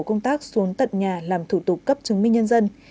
công tác xuống tận nhà làm thủ tục cấp chứng minh nhân dân